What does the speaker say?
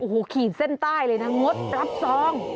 โอ้โหขีดเส้นใต้เลยนะงดรับซอง